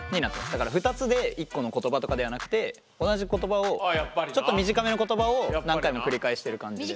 だから２つで１個の言葉とかではなくて同じ言葉をちょっと短めの言葉を何回も繰り返している感じです。